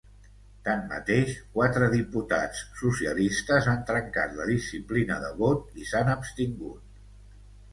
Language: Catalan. Tanmateix, quatre diputats socialistes han trencat la disciplina de vot i s’han abstingut.